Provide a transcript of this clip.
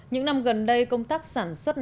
những năm gần đây công tác sản xuất